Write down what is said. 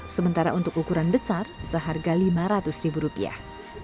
sementara untuk ukuran besar seharga lima ratus ribu rupiah